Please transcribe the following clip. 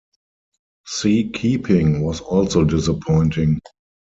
Sea keeping was also disappointing.